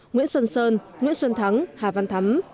nguyễn xuân sơn nguyễn xuân thắng hà văn thắm